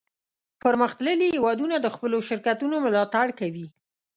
پرمختللي هیوادونه د خپلو شرکتونو ملاتړ کوي